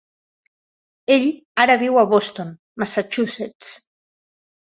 Ell ara viu a Boston, Massachusetts.